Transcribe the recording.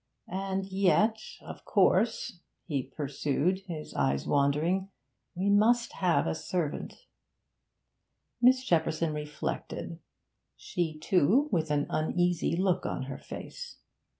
'And yet, of course,' he pursued, his eyes wandering, 'we must have a servant ' Miss Shepperson reflected, she too with an uneasy look on her face.